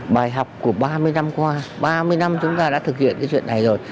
bài học của ba mươi năm qua ba mươi năm chúng ta đã thực hiện cái chuyện này rồi